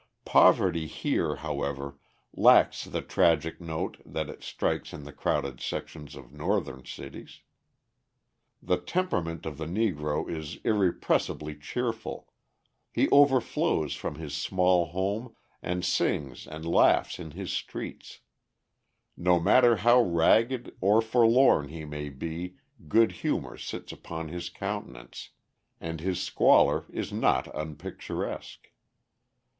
Poverty here, however, lacks the tragic note that it strikes in the crowded sections of Northern cities. The temperament of the Negro is irrepressibly cheerful, he overflows from his small home and sings and laughs in his streets; no matter how ragged or forlorn he may be good humour sits upon his countenance, and his squalour is not unpicturesque.